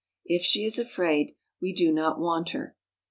If she is afraid, we do not want her."